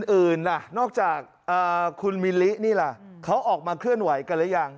อื่นล่ะนอกจากคุณมิลลินี่ล่ะเขาออกมาเคลื่อนไหวกันหรือยัง